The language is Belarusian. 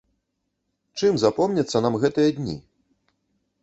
Чым запомняцца нам гэтыя дні?